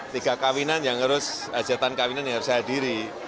tiga kawinan yang harus hajatan kawinan yang harus saya diri